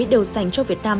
đều dành cho việt nam